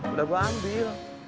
udah gue ambil